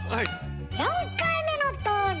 ４回目の登場